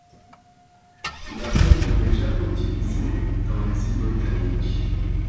La règle n’est jamais utilisée dans les îles Britanniques.